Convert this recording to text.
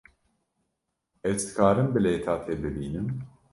Ez dikarim bilêta te bibînim?